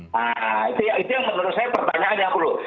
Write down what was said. nah itu yang menurut saya pertanyaan yang perlu